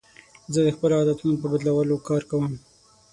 زه د خپلو عادتونو په بدلولو کار کوم.